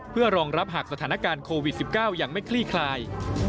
เพื่อรองรับหากสถานการณ์โควิด๑๙ยังไม่คลี่คลาย